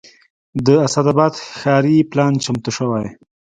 د اسداباد ښاري پلان چمتو شوی